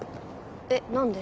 えっ何で？